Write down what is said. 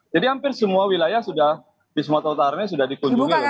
jadi hampir semua wilayah sudah di sumatera utara sudah di kunjungi oleh jokowi